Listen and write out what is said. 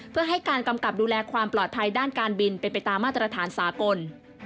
เพื่อให้การกำกับดูแลความปลอดภัยด้านการบินเป็นไปตามมาตรฐานสากล